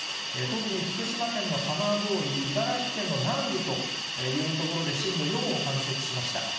特に福島県の浜通り、茨城県の南部という所で、震度４を観測しました。